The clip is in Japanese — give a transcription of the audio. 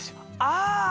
ああ！